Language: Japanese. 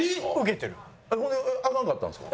ほんでアカンかったんですか？